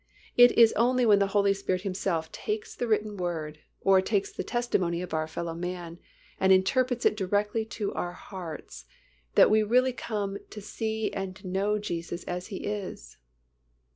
It is only when the Holy Spirit Himself takes the written Word, or takes the testimony of our fellow man, and interprets it directly to our hearts that we really come to see and know Jesus as He is.